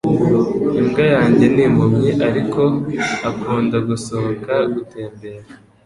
Imbwa yanjye ni impumyi, ariko akunda gusohoka gutembera.